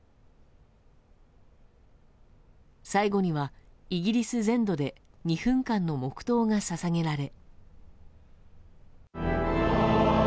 最後にはイギリス全土で２分間の黙祷が捧げられ。